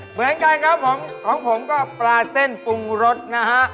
เหมือนกันครับผมของผมก็ปลาเส้นปรุงรสนะฮะ